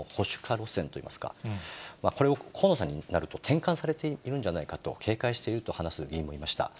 路線といいますか、これを河野さんになると転換されているんじゃないかと警戒していると話す議員もいました。